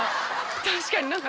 確かに何か。